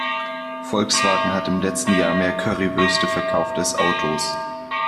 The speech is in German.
Volkswagen hat im letzten Jahr mehr Currywürste verkauft als Autos.